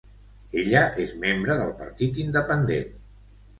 Ella és membre del Partit Independent.